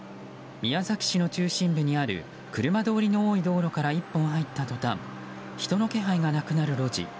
宮崎市の中心部にある車通りの多い道路から一本入った途端人の気配がなくなる路地。